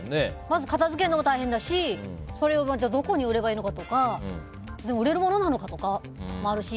まず片づけるのが大変だしどこに売ればいいのかとか売れるものなのかとかもあるし。